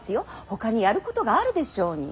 ほかにやることがあるでしょうに。